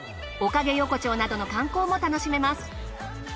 おかげ横丁などの観光も楽しめます。